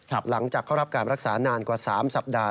หลังจากเข้ารับการรักษานานกว่า๓สัปดาห